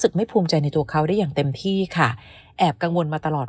ไม่ภูมิใจในตัวเขาได้อย่างเต็มที่ค่ะแอบกังวลมาตลอด